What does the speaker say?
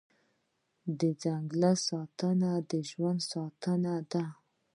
د ځنګل ساتنه د ژوند ساتنه ده